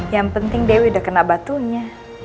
yang penting dewi udah kena batunya